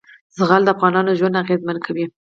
زغال د افغانانو ژوند اغېزمن کوي.